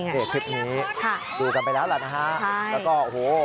นี่คลิปนี้ดูกันไปแล้วล่ะนะฮะแล้วก็โอ้โห